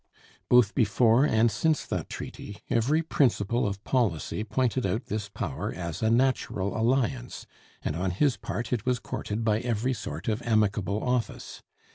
Both before and since that treaty, every principle of policy pointed out this power as a natural alliance; and on his part it was courted by every sort of amicable office.